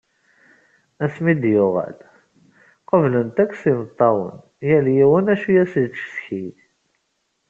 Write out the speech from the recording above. Asmi I d-yuγal, qublen-t yakk s imeṭṭawen, yal yiwen acu i as-yettcetki.